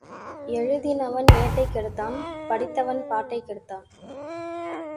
எழுதினவன் ஏட்டைக் கெடுத்தான் படித்தவன் பாட்டைக் கெடுத்தான்.